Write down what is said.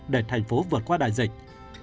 để tp vượt qua đại dịch